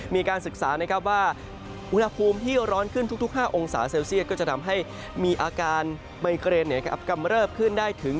มีการศึกษานะครับว่าอุณหภูมิที่ร้อนขึ้นทุก๕องศาเซลเซียตก็จะทำให้มีอาการไมเกรนกำเริบขึ้นได้ถึง